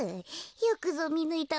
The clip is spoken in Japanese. よくぞみぬいたわね